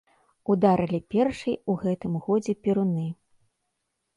Ударылі першай у гэтым годзе перуны.